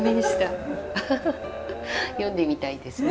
アハハハ読んでみたいですね。